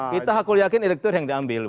kita aku yakin direktur yang diambil